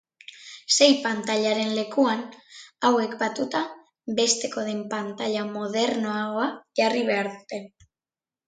Sei pantailaren lekuan, hauek batuta besteko den pantaila modernoagoa jarri behar dute.